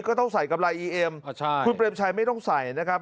ก็ต้องใส่กับรายอีเอ็มอ่าใช่คุณผู้ชมไม่ต้องใส่นะครับ